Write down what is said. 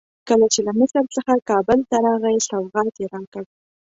کله چې له مصر څخه کابل ته راغی سوغات یې راکړ.